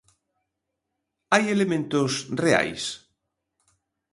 Hai elementos reais?